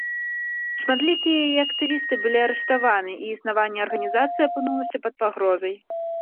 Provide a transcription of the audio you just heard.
Шматлікія яе актывісты былі арыштаваны, і існаванне арганізацыі апынулася пад пагрозай.